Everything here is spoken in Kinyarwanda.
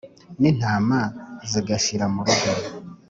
n’intama zigashira mu rugo